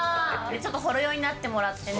ちょっとほろ酔いになってもらってね。